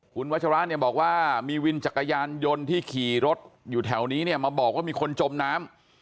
คุณวัชราเนี่ยบอกว่ามีวินจักรยานยนต์ที่ขี่รถอยู่แถวนี้เนี่ยมาบอกว่ามีคนจมน้ำ